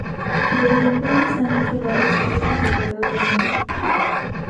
Desde entonces han hecho varias giras alrededor del mundo.